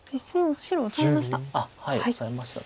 実戦白オサえました。